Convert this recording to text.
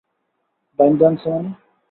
বাইন্ধা আনছে মানে?